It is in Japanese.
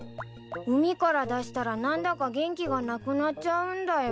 海から出したら何だか元気がなくなっちゃうんだよ。